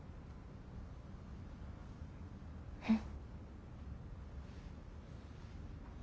うん。